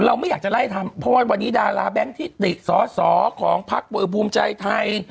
เราไม่อยากจะไล่ทำเพราะวันนี้ดาราแบงค์ที่ติดซอสอของผักบูมใจไทย